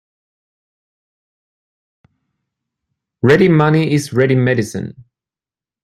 Ready money is ready medicine.